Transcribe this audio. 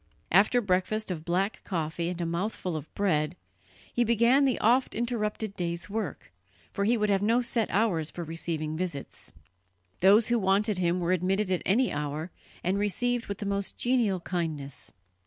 After breakfast of black coffee and a mouthful of bread, he began the oft interrupted day's work, for he would have no set hours for receiving visits. Those who wanted him were admitted at any hour, and received with the most genial kindness.